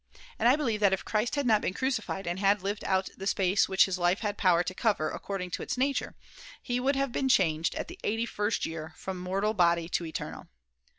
And I believe that if Christ had not been crucified and had lived out the space which his life had power to cover according to its nature, he would have been changed at the eighty first year from mortal body to eternal.